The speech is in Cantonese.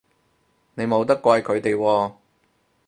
你冇得怪佢哋喎